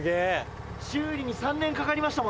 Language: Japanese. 修理に３年かかりましたもんね。